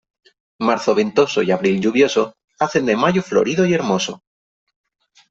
Marzo ventoso y abril lluvioso hacen de mayo florido y hermoso.